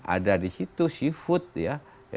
ada di situ seafood ya